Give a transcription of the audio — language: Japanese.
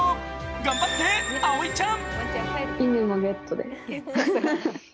頑張って、葵ちゃん！